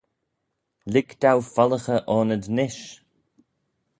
Lhig dou follaghey aynyd nish!